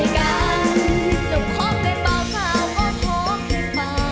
กันหนุ่มคอมเป็นเบาขาวก็คอมให้มา